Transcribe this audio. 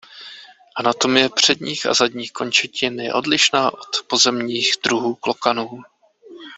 Anatomie předních a zadních končetin je odlišná od pozemních druhů klokanů.